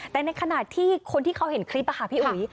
แต่ในขณะที่คนที่เขาเห็นคลิปค่ะพี่อุ๋ย